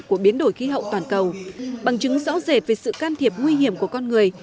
của biến đổi khí hậu toàn cầu bằng chứng rõ rệt về sự can thiệp nguy hiểm của con người